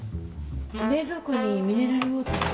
冷蔵庫にミネラルウオーターが。